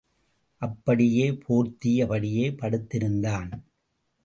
அப்படியே போர்த்திய படியே படுத்திருந்தான்.